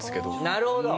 なるほど。